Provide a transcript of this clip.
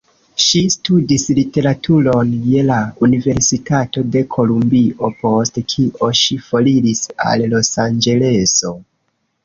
Ŝi studis literaturon je la Universitato de Kolumbio, post kio ŝi foriris al Losanĝeleso.